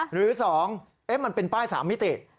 หรือ๒มันเป็นป้าย๓มิติ